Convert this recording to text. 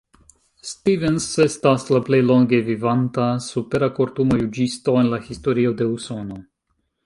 Stevens estas la plej longe vivanta Supera-Kortumo-juĝisto en la historio de Usono.